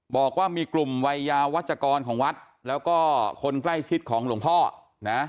บอกว่ามีกลุ่มวัยยาวัชกรของวัดแล้วก็คนใกล้ชิดของหลวงพ่อนะ